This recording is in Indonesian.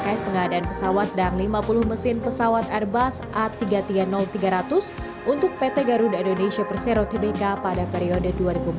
terkait pengadaan pesawat dan lima puluh mesin pesawat airbus a tiga ratus tiga puluh tiga ratus untuk pt garuda indonesia persero tbk pada periode dua ribu empat belas dua ribu dua